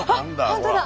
本当だ。